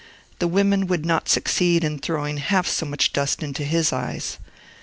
The women would not succeed in throwing half so much dust into his eyes.